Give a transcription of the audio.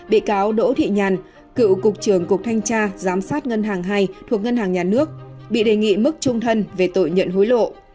bị cáo đỗ thị nhàn cựu cục trưởng cục thanh tra giám sát ngân hàng hai thuộc ngân hàng nhà nước bị đề nghị mức trung thân về tội nhận hối lộ